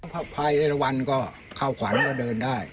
พระอาจารย์เอลวันก็เข้าขวันก็เดินได้